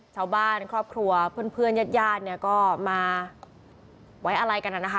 ชาวบ้านครอบครัวเพื่อนญาติญาติเนี่ยก็มาไว้อะไรกันนะคะ